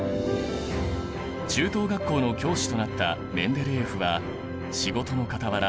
中等学校の教師となったメンデレーエフは仕事のかたわら